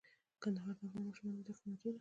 کندهار د افغان ماشومانو د زده کړې موضوع ده.